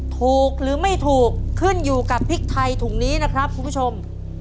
ถูกหรือไม่ถูกขึ้นอยู่กับพริกไทยถุงนี้นะครับคุณผู้ชม